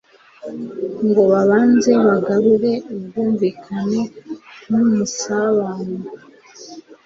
ngo babanze bagarure ubwumvikane n'umusabano.